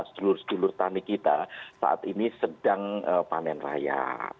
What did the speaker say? seluruh seluruh petani kita saat ini sedang panen raya